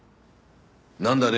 なんだね？